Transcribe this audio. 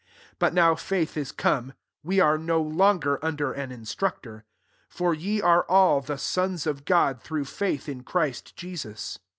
25 Bat now faith is come, we are Mo longer under an instructor. (6 For ye are all the sons of God through faith in Christ Jesus.